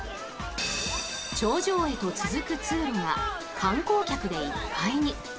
頂上へと続く通路が観光客でいっぱいに。